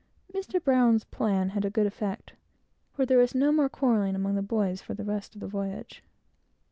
Mr. Brown's plan had a good effect, for there was no more quarrelling among the boys for the rest of the voyage.